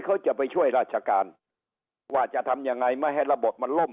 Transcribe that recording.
เขาจะไปช่วยราชการว่าจะทำยังไงไม่ให้ระบบมันล่ม